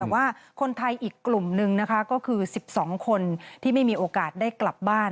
แต่ว่าคนไทยอีกกลุ่มนึงนะคะก็คือ๑๒คนที่ไม่มีโอกาสได้กลับบ้าน